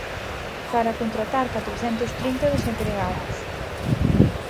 Para contratar catrocentos trinta desempregados.